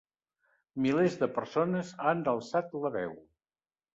Milers de persones han alçat la veu.